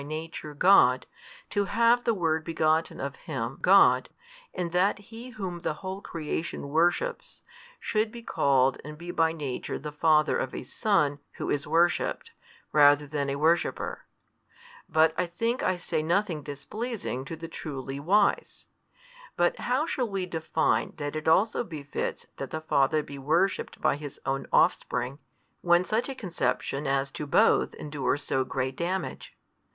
Nature God, to have the Word begotten of Him God, and that He Whom the whole creation worships, should be called and be by Nature the Father of a Son Who is worshipped, rather than a worshipper? But I think I say nothing displeasing to the truly wise. But how shall we define that it also befits that the Father be worshipped by His Own offspring, when such a conception as to Both endures so great damage?